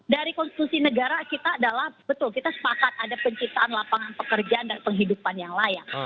dari konstitusi negara kita adalah betul kita sepakat ada penciptaan lapangan pekerjaan dan penghidupan yang layak